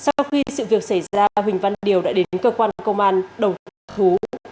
sau khi sự việc xảy ra huỳnh văn điều đã đến cơ quan công an đầu thú